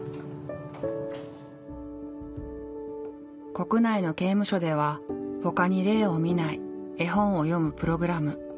国内の刑務所ではほかに例を見ない絵本を読むプログラム。